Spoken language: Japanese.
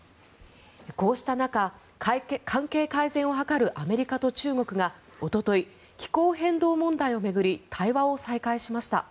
こうした中、関係改善を図るアメリカと中国がおととい、気候変動問題を巡り対話を再開しました。